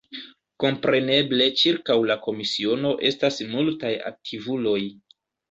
Kompreneble ĉirkaŭ la komisiono estas multaj aktivuloj.